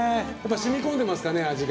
しみこんでますかね味が。